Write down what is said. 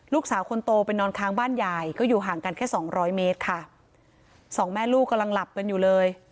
ลูกสาวคนโตไปนอนค้างบ้านยายก็อยู่ห่างกันแค่สองร้อยเมตรค่ะสองแม่ลูกกำลังหลับกันอยู่เลย